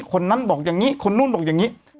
คนนั้นบอกอย่างนี้คนนู้นบอกอย่างนี้